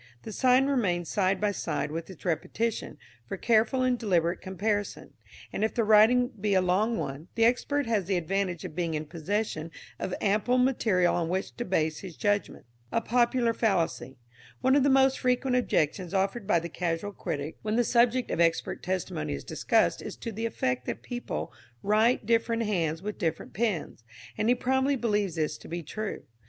The sign remains side by side with its repetition, for careful and deliberate comparison; and if the writing be a long one, the expert has the advantage of being in possession of ample material on which to base his judgment. A Popular Fallacy. One of the most frequent objections offered by the casual critic when the subject of expert testimony is discussed is to the effect that people write different hands with different pens, and he probably believes this to be true.